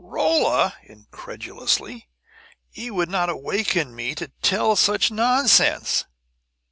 "Rolla!" incredulously. "Ye would not awaken me to tell such nonsense!"